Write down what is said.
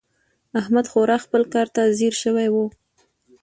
احمد خورا خپل کار ته ځيږ شوی دی.